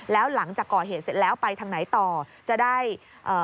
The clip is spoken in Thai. แล้วหลังจากก่อเหตุเสร็จแล้วไปทางไหนต่อจะได้เอ่อ